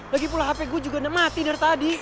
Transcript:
lagipula hp gue juga udah mati dari tadi